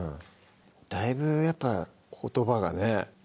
だいぶやっぱ言葉がね